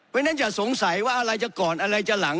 เพราะฉะนั้นอย่าสงสัยว่าอะไรจะก่อนอะไรจะหลัง